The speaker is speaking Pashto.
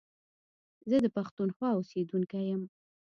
زه د پښتونخوا اوسېدونکی يم